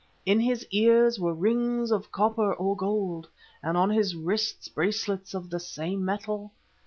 In his ears were rings of copper or gold, and on his wrists bracelets of the same metal.